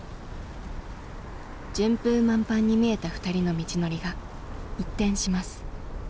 順風満帆に見えた２人の道のりが一転します。